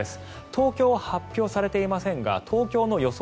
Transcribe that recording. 東京は発表されていませんが東京の予想